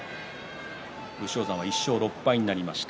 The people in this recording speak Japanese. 土俵上は１勝６敗になりました。